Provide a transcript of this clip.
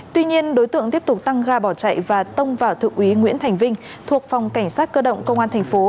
tuy nhiên đối tượng tiếp tục tăng ga bỏ chạy và tông vào thượng úy nguyễn thành vinh thuộc phòng cảnh sát cơ động công an thành phố